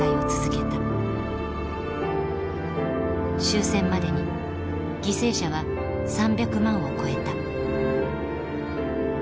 終戦までに犠牲者は３００万を超えた。